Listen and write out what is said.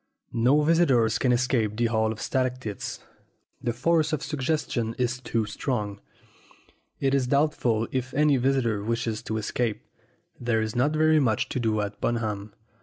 No visitor can escape the Hall of Stalactites the force of suggestion is too strong. It is doubtful if any visitor wishes to escape. There is not very much to do at Bunham.